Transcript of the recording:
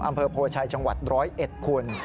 อำเภอโพชัยจังหวัด๑๐๑คุณ